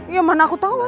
ya mana aku tau mas